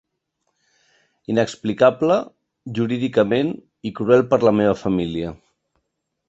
Inexplicable jurídicament i cruel per a la meva família.